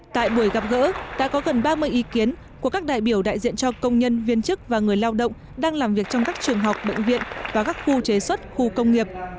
tại buổi gặp gỡ đã có gần ba mươi ý kiến của các đại biểu đại diện cho công nhân viên chức và người lao động đang làm việc trong các trường học bệnh viện và các khu chế xuất khu công nghiệp